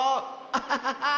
アッハハハ！